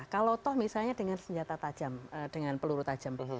kalau toh misalnya dengan senjata tajam dengan peluru tajam